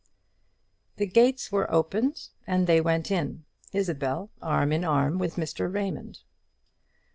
The gates were opened, and they went in; Isabel arm in arm with Mr. Raymond.